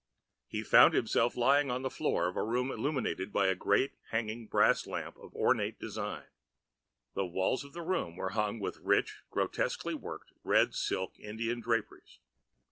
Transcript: He found himself lying on the floor of a room illuminated by a great hanging brass lamp of ornate design. The walls of the room were hung with rich, grotesquely worked red silk Indian draperies.